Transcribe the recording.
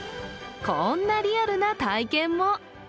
こんなリアルな体験も。